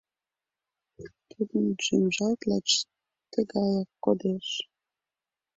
Тудын шӱмжат лач тыгаяк кодеш.